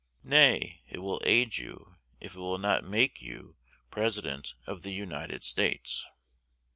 Nay, it will aid you, if it will not make you President of the United States.'